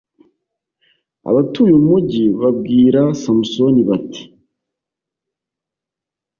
abatuye umugi babwira samusoni, bati